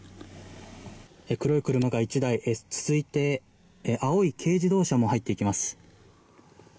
黒い車が１台、続いて青い軽自動車も入っていきます。